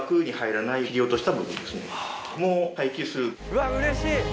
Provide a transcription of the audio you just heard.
うわうれしい！